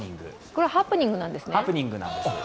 これはハプニングなんですね。